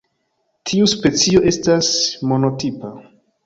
Tiu specio estas monotipa.